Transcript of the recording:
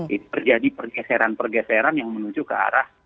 itu terjadi pergeseran pergeseran yang menuju ke arah